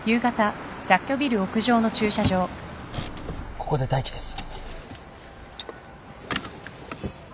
ここで待機です。